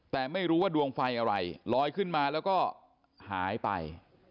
แต่ไม่รู้ว่าดวงไฟอะไรลอยขึ้นมาแล้วก็หายไป